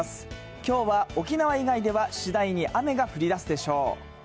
きょうは沖縄以外ではしだいに雨が降りだすでしょう。